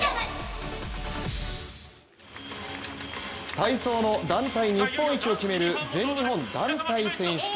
体操の団体日本一を決める全日本団体選手権。